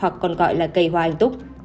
đó là cây hoa anh túc